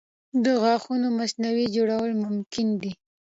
د غاښونو مصنوعي جوړول ممکنه دي.